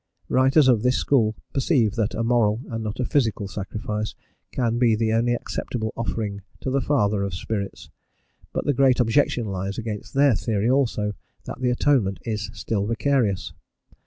Writers of this school perceive that a moral and not a physical sacrifice can be the only acceptable offering to the Father of spirits, but the great objection lies against their theory also, that the Atonement is still vicarious.